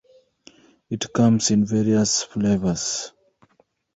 It comes in various flavours.